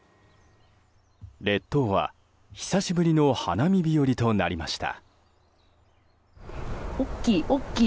列島は久しぶりの花見日和となりました。